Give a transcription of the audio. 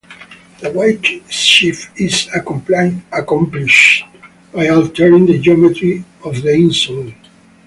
The weight shift is accomplished by altering the geometry of the insole.